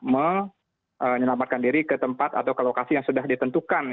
menyelamatkan diri ke tempat atau ke lokasi yang sudah ditentukan